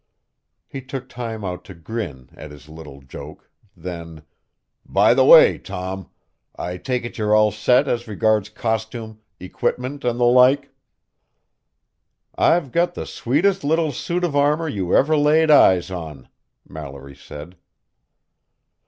He took time out to grin at his little joke, then, "By the way, Tom, I take it you're all set as regards costume, equipment and the like." "I've got the sweetest little suit of armor you ever laid eyes on," Mallory said.